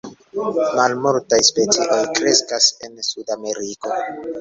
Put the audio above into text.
Malmultaj specioj kreskas en Sudameriko.